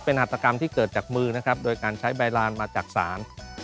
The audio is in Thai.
เป็นหัตกรรมที่เกิดจากมือนะครับโดยการใช้ใบลานมาจากศาล